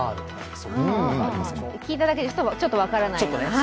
聞いただけでちょっと分からないような。